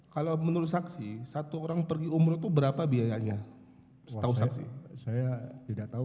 kalau menurut saksi satu orang pergi umroh itu berapa biayanya setahu saksi saya tidak tahu